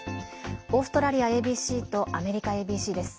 オーストラリアＡＢＣとアメリカＡＢＣです。